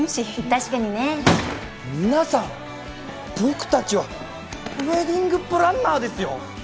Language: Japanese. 確かにね皆さん僕たちはウェディングプランナーですよ？